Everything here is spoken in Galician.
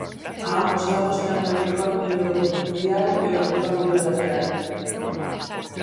A ambos lados ten o epicóndilo medial e o epicóndilo lateral.